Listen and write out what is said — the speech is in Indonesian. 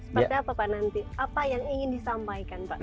seperti apa pak nanti apa yang ingin disampaikan pak